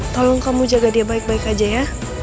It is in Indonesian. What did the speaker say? tolong kamu jaga dia baik baik aja ya